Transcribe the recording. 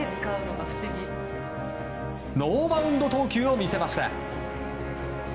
ノーバウンド投球を見せました。